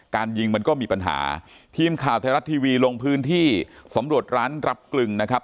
ยิงมันก็มีปัญหาทีมข่าวไทยรัฐทีวีลงพื้นที่สำรวจร้านรับกลึงนะครับ